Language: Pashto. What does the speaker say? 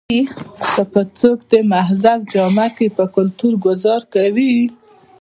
کۀ څوک د مذهب پۀ جامه کښې پۀ کلتور ګذار کوي